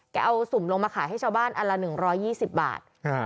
แกเอาสุ่มลงมาขายให้ชาวบ้านอันละหนึ่งร้อยยี่สิบบาทอ่า